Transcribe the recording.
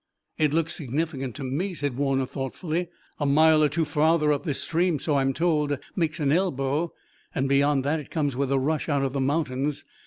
"It looks significant to me," said Warner thoughtfully. "A mile or two farther up, this stream, so I'm told, makes an elbow, and beyond that it comes with a rush out of the mountains.